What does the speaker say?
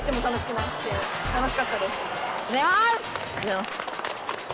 ありがとうございます。